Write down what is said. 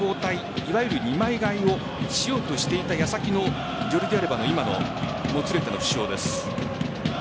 いわゆる２枚代えをしようとしていた矢先のジョルディアルバの今のもつれての負傷です。